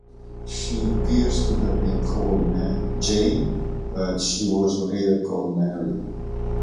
She appears to have been called Jane but she was later called Mary.